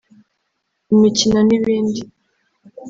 imikino n’ibindi